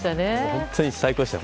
本当に最高でした。